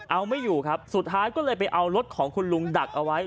เอาไม่อยู่ครับสุดท้ายก็เลยไปเอารถของคุณลุงดักเอาไว้